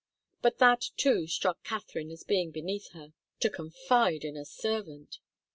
But that, too, struck Katharine as being beneath her to confide in a servant!